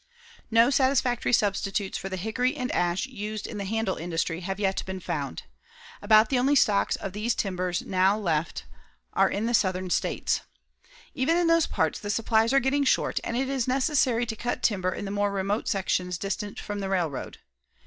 No satisfactory substitutes for the hickory and ash used in the handle industry have yet been found. About the only stocks of these timbers now left are in the Southern States. Even in those parts the supplies are getting short and it is necessary to cut timber in the more remote sections distant from the railroad.